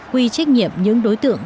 quy trách nhiệm những đối tượng